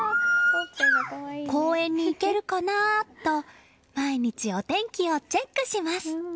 公園に行けるかな？と毎日お天気をチェックします。